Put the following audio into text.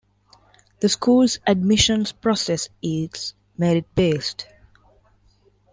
The school's admissions process is merit-based.